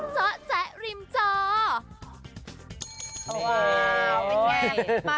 เจ้าแจ๊กริมเจ้า